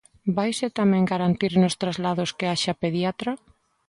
¿Vaise tamén garantir nos traslados que haxa pediatra?